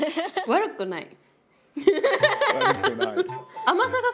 悪くない。